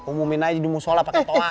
umumin aja di musola pakai toa